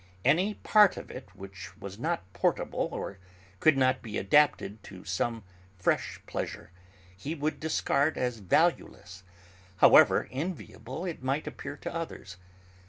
Any part of it which was not portable or could not be adapted to some fresh pleasure he would discard as valueless, however enviable it might appear to others.